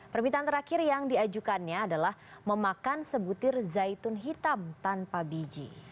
permintaan terakhir yang diajukannya adalah memakan sebutir zaitun hitam tanpa biji